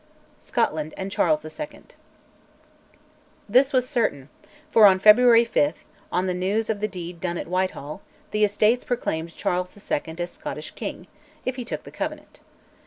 SCOTLAND AND CHARLES II. This was certain, for, on February 5, on the news of the deed done at Whitehall, the Estates proclaimed Charles II. as Scottish King if he took the Covenant.